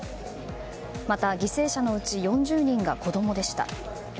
また、犠牲者のうち４０人が子供でした。